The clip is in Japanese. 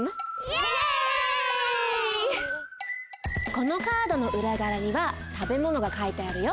このカードのうらがわにはたべものがかいてあるよ。